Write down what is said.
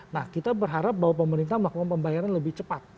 nah kita berharap bahwa pemerintah melakukan pembayaran lebih cepat